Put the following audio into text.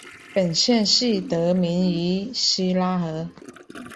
本县系得名于希拉河。